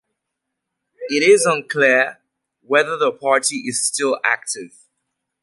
It is unclear whether the party is still active.